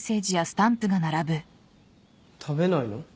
食べないの？